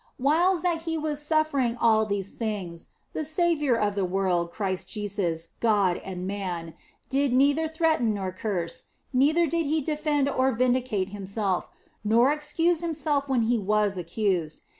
Whiles that He was suffering all these things, the Saviour of the world, Christ Jesus, God and Man, did neither threaten nor curse, neither did He defend or vindicate Himself, nor excuse Himself when He was accused.